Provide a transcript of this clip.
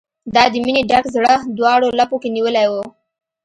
ما د مینې ډک زړه، دواړو لپو کې نیولی و